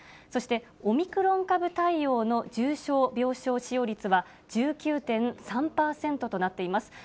そして、オミクロン株対応の重症病床使用率は、１９．３％となっています。